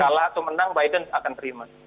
kalau trump menang biden akan terima